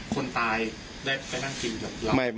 คนตายได้ไปนั่งกินกับเรา